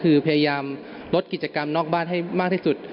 คือพยายามลดกิจกรรมนอกบ้านให้มากที่สุด